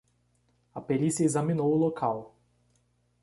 A perícia examinou o local.